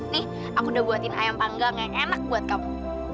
nih aku udah buatin ayam panggang yang enak buat kamu